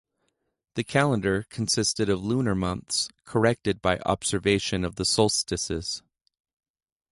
The calendar consisted of lunar months corrected by observation of the solstices.